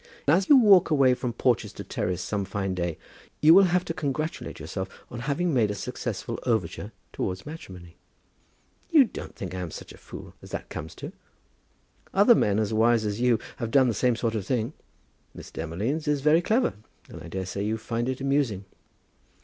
"As you walk away from Porchester Terrace some fine day, you will have to congratulate yourself on having made a successful overture towards matrimony." "You don't think I am such a fool as that comes to?" "Other men as wise as you have done the same sort of thing. Miss Demolines is very clever, and I daresay you find it amusing."